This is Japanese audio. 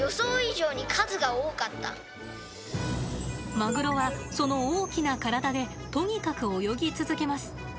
マグロは、その大きな体でとにかく泳ぎ続けます。